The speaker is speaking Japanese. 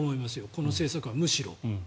この政策は、むしろ。